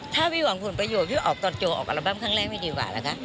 ถ้าพี่หวังผลประโยชน์พี่ออกตอนโจออกอัลบั้มครั้งแรกไม่ดีกว่านะคะ